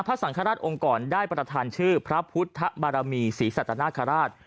สังฆราชองค์กรได้ประธานชื่อพระพุทธบารมีศรีสัตนคราช